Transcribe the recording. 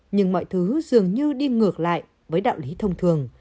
nhưng mọi thứ dường như đi ngược lại với đạo lý thông thường